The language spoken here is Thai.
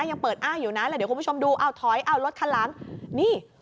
ยังเปิดอ้ายอยู่นะแล้วเดี๋ยวคุณผู้ชมดูเอาถอยเอารถคันหลังนี่